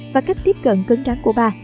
và cách tiếp cận cứng rắn của bà